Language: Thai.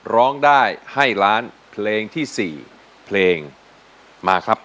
ร้องได้ให้ล้านเพลงที่๔เพลงมาครับ